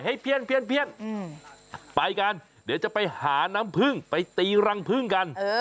เพี้ยนไปกันเดี๋ยวจะไปหาน้ำพึ่งไปตีรังพึ่งกัน